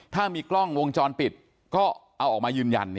ถ้ามีกล้องวงจรปิดก็เอาออกมายืนยัน